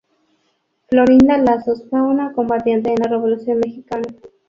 Florinda Lazos fue una combatiente en la Revolución Mexicana.